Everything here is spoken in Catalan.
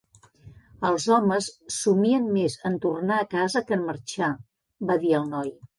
"Els homes somien més en tornar a casa que en marxar", va dir el noi.